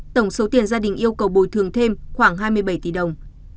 tổng số tiền gia đình yêu cầu bồi thường thêm khoảng hai mươi bảy tỷ đồng